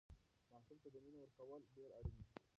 ماسوم ته مینه ورکول ډېر اړین دي.